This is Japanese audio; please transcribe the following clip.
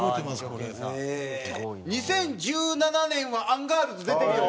２０１７年はアンガールズ出てるよ。